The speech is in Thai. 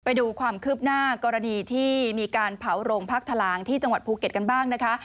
ไปดูความคืบหน้ากรณีที่มีการเผาโรงพักทะลางที่จังหวัดภูเก็ตกันบ้างนะคะ